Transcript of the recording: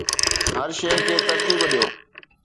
هر شي کي ترتيب ڏيو